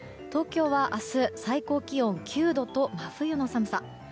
東京は明日、最高気温９度と真冬の寒さ。